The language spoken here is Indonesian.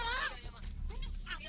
ini laki udah punya bini